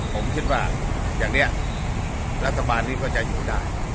ผมคิดว่าอย่างนี้รัฐบาลนี้ก็จะอยู่ได้